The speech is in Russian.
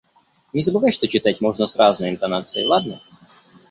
Не забывай, что читать можно с разной интонацией, ладно?